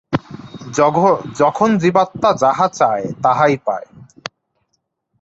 তখন জীবাত্মা যাহা চায়, তাহাই পায়।